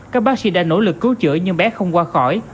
các bác sĩ đã nỗ lực cứu chữa nhưng bé không qua khỏi